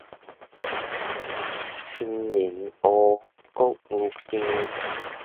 清明芋，穀雨薑